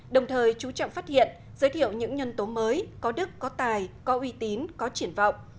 đồng thời chú trọng phát hiện giới thiệu những nhân tố mới có đức có tài có uy tín có triển vọng